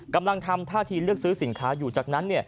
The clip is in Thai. กำลังทำท่าทีเลือกซื้อสินค้าอยู่จากนั้น